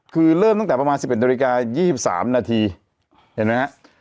คือเริ่มตั้งแต่ประมาณ๑๑นาฬิกา๒๓นาทีเห็นไหมฮะ